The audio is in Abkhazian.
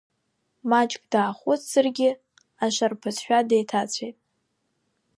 Маҷк даахәыцзаргьы, ашарԥазшәа деиҭацәеит.